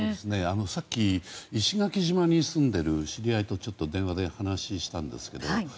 さっき石垣島に住んでいる知り合いとちょっと電話で話をしたんですが。